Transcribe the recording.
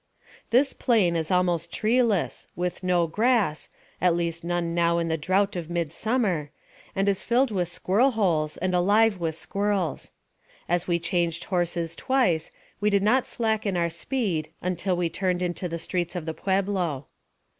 This plain is almost treeless, with no grass, at least none now in the drought of mid summer, and is filled with squirrel holes, and alive with squirrels. As we changed horses twice, we did not slacken our speed until we turned into the streets of the Pueblo.